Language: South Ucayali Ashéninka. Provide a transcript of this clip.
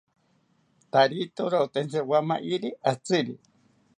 Tarito rotentsi rowamayiri atziri